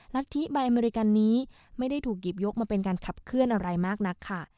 รัฐธิใบอเมริกันนี้ไม่ได้ถูกหยิบยกมาเป็นการขับเคลื่อนอะไรมากนักค่ะ